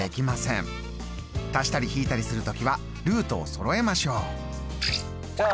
足したり引いたりする時はルートをそろえましょう。